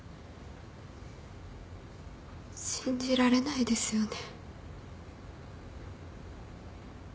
信じられないですよね。